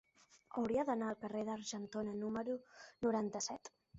Hauria d'anar al carrer d'Argentona número noranta-set.